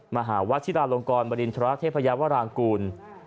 มหาวชิราลงกรบริณฑราเทพยาวรางกูล